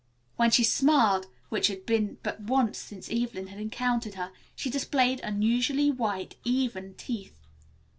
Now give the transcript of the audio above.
When she smiled, which had been but once since Evelyn first encountered her, she displayed unusually white, even teeth.